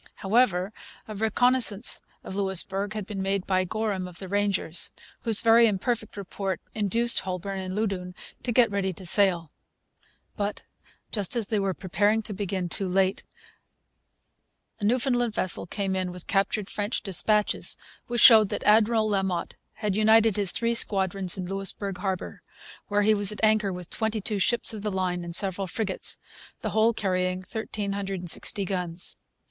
However, a reconnaissance of Louisbourg had been made by Gorham of the Rangers, whose very imperfect report induced Holbourne and Loudoun to get ready to sail. But, just as they were preparing to begin, too late, a Newfoundland vessel came in with captured French dispatches which showed that Admiral La Motte had united his three squadrons in Louisbourg harbour, where he was at anchor with twenty two ships of the line and several frigates, the whole carrying 1,360 guns.